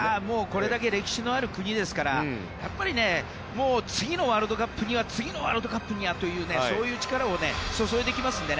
これだけ歴史のある国なので次のワールドカップには次のワールドカップには、というそういう力を注いできますので。